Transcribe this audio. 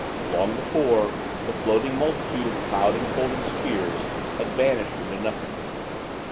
Long before, the floating multitude of cloud enfolded spheres had vanished into nothingness.